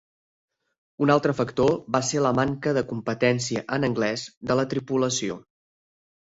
Un altre factor va ser la manca de competència en anglès de la tripulació.